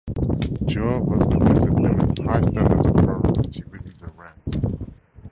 Jehovah's Witnesses demand high standards of morality within their ranks.